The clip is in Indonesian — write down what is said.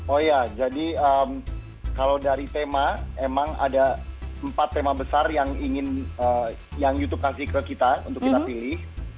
oh iya jadi kalau dari tema emang ada empat tema besar yang ingin yang youtube kasih ke kita untuk kita pilih